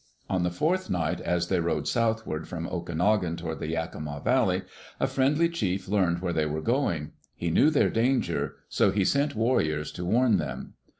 On the fourth night, as they rode southward from Okanogan toward the Yakima Valley, a friendly chief learned where they were going. He knew their danger, so he sent warriors to warn them.